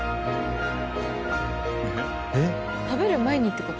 食べる前にって事？